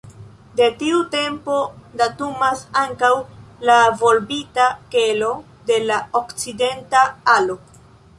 De tiu tempo datumas ankaŭ la volbita kelo de la okcidenta alo.